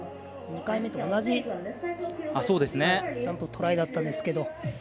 ２回目と同じトライだったんですが。